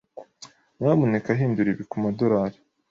Nyamuneka hindura ibi kumadorari.